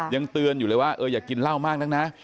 ยังเตือนอยู่เลยว่าเอออย่ากินเหล้ามากนักนะ